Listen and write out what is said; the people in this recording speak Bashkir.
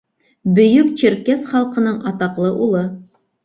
Бөйөк черкес халҡының атаҡлы улы.